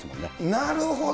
なるほど。